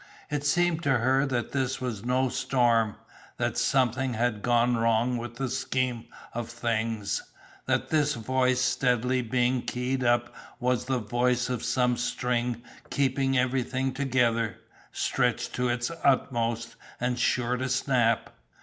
It seemed to her that this was no storm, that something had gone wrong with the scheme of things, that this Voice steadily being keyed up was the voice of some string keeping everything together, stretched to its utmost and sure to snap.